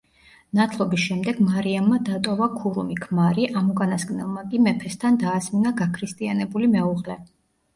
ნათლობის შემდეგ მარიამმა დატოვა ქურუმი ქმარი, ამ უკანასკნელმა კი მეფესთან დაასმინა გაქრისტიანებული მეუღლე.